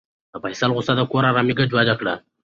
د فیصل غوسه د کور ارامي ګډوډه کړه.